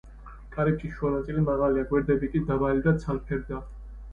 კარიბჭის შუა ნაწილი მაღალია, გვერდითები კი დაბალი და ცალფერდა.